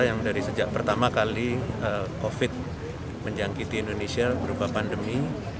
yang dari sejak pertama kali covid menjangkiti indonesia berupa pandemi